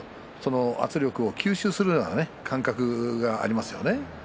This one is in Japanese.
圧力を吸収するような感覚がありますよね。